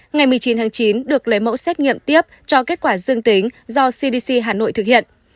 ngày một mươi chín tháng chín được lấy mẫu xét nghiệm tiếp cho kết quả dương tính do cdc hà nội thực hiện